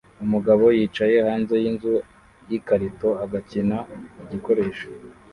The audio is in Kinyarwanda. Umugabo yicaye hanze yinzu yikarito agakina igikoresho